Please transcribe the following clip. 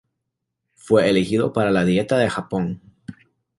Fue elegido para la Dieta de Japón.